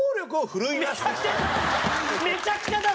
めちゃくちゃだ！